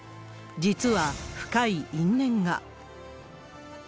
実は、深い因縁が。